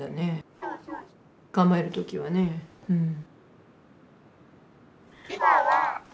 捕まえる時はねうん。